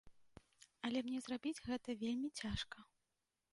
Але мне зрабіць гэта вельмі цяжка.